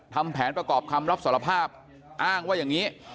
ทำแผนประกอบคำรับสารภาพอ้างว่าอย่างนี้